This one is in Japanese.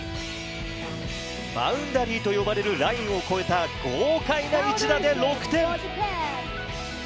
バウンダリーと呼ばれるラインを越えた豪快な一打で６点。